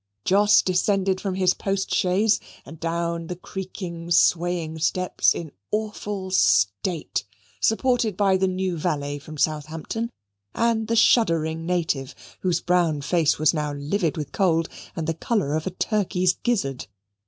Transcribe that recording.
Jos descended from the post chaise and down the creaking swaying steps in awful state, supported by the new valet from Southampton and the shuddering native, whose brown face was now livid with cold and of the colour of a turkey's gizzard.